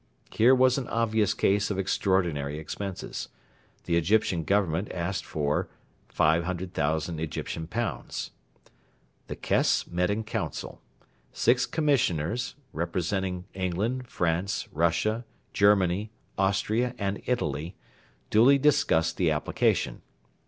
Here was an obvious case of 'extraordinary expenses.' The Egyptian Government asked for £E500,000. The Caisse met in council. Six Commissioners representing England, France, Russia, Germany, Austria, and Italy duly discussed the application.